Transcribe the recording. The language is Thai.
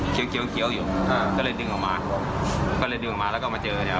เคี้ยวเคี้ยวเคี้ยวอยู่อ่าก็เลยดึงออกมาก็เลยดึงออกมาแล้วก็มาเจอเนี้ยครับ